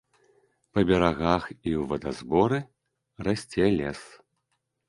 Па берагах і ў вадазборы расце лес.